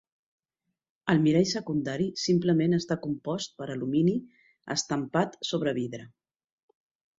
El mirall secundari simplement està compost per alumini estampat sobre vidre.